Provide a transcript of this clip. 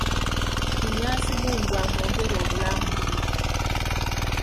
Munyaazimungu amwongere obulamu.